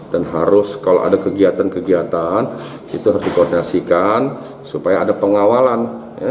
dan harus kalau ada kegiatan kegiatan itu harus dikontrasikan supaya ada pengawalan